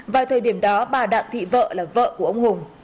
vào thời điểm đó bà đặng thị vợ là vợ của ông hùng